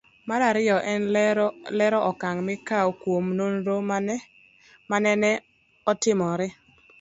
Mar ariyo en lero okang' mikawo kuom nonro manene otimore